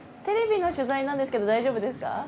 テレビの取材なんですけど大丈夫ですか？